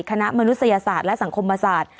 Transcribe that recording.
คณะมนุษยศาสตร์และสังคมภาษา